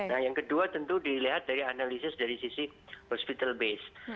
nah yang kedua tentu dilihat dari analisis dari sisi hospital base